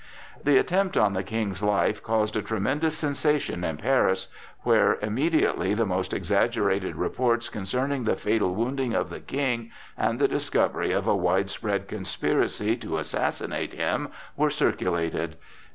The attempt on the King's life caused a tremendous sensation in Paris, where immediately the most exaggerated reports concerning the fatal wounding of the King and the discovery of a widespread conspiracy to assassinate him were circulated.